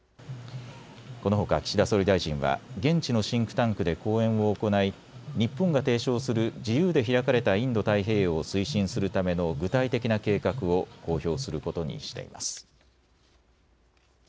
このほか岸田総理大臣は現地のシンクタンクで講演を行い日本が提唱する自由で開かれたインド太平洋を推進するための具体的な計画を公表することにしています。